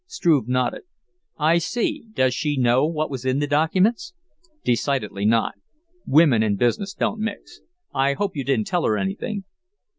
Struve nodded. "I see. Does she know what was in the documents?" "Decidedly not. Women and business don't mix. I hope you didn't tell her anything."